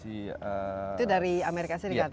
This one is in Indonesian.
itu dari amerika serikat